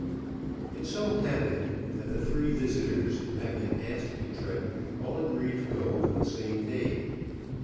It so happened that the three visitors who had been asked to Tretton all agreed to go on the same day.